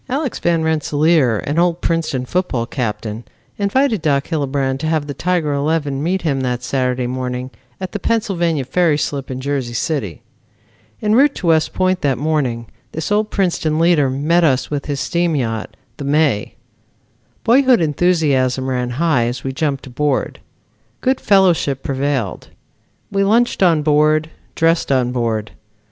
Alex Van Rensselaer, an old Princeton football captain, invited Doc Hillebrand to have the Tiger eleven meet him that Saturday morning at the Pennsylvania Ferry slip in Jersey City. En route to West Point that morning this old Princeton leader met us with his steam yacht, The May. Boyhood enthusiasm ran high as we jumped aboard. Good fellowship prevailed. We lunched on board, dressed on board.